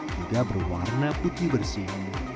juga berwarna putih bersih